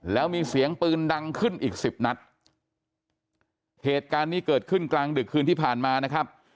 แล้วมีเสียงปืนดังขึ้นอีกสิบนัดเหตุการณ์นี้เกิดขึ้นกลางดึกคืนที่ผ่านมานะครับ